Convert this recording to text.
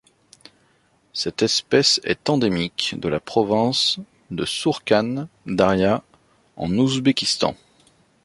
Cette espèce est endémique de la province de Sourkhan-Daria en Ouzbékistan.